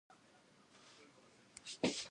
The following year Bishop Bell ordained him Elder.